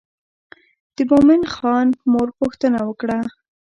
د مومن خان مور پوښتنه وکړه.